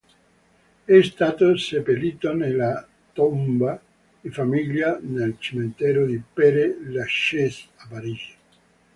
È stato seppellito nella tomba di famiglia nel cimitero di Père Lachaise a Parigi.